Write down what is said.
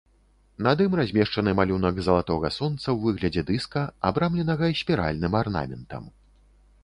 Над ім размешчаны малюнак залатога сонца ў выглядзе дыска, абрамленага спіральным арнаментам.